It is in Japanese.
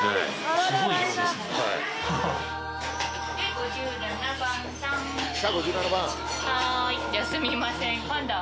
はいじゃすみません。